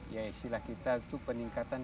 ya istilah kita itu peningkatan